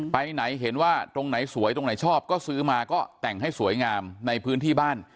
ไปไหนเห็นว่าตรงไหนสวยตรงไหนชอบก็ซื้อมาก็แต่งให้สวยงามในพื้นที่บ้าน